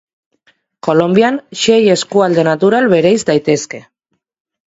Kolonbian sei eskualde natural bereiz daitezke.